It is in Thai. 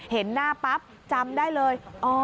เห็นหน้าปั๊บจำได้เลย